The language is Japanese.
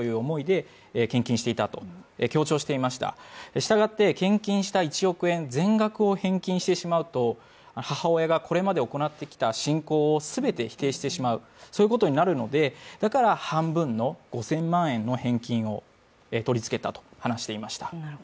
したがって献金した１億円全額を返金してしまうと母親がこれまで行ってきた信仰を全て否定してしまう、そういうことになるのでだから半分の５０００万円の返金と取り付けたと話していました。